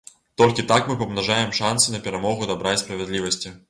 Толькі так мы памнажаем шансы на перамогу дабра і справядлівасці.